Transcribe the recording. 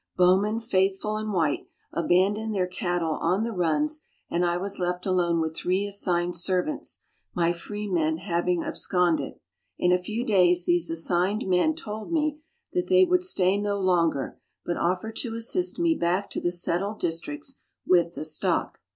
Bowman, Faithfull, and White, abandoned their cattle on the runs, and I was left alone with three assigned servants, my freemen having absconded. In a few days these assigned men told me that they would stay no longer, but offered to assist me back to the settled districts with the stock.